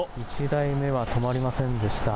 １台目は止まりませんでした。